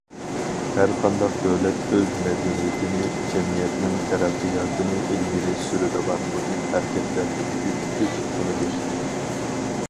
ھەر قانداق دۆلەت ئۆز مەدەنىيىتىنى جەمئىيەتنىڭ تەرەققىياتىنى ئىلگىرى سۈرىدىغان مۇھىم ھەرىكەتلەندۈرگۈچ كۈچ قىلىدۇ.